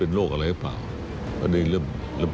ซึ่งพฤติกรรมที่เกิดขึ้น